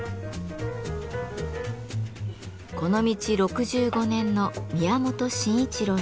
この道６５年の宮本晨一郎さん。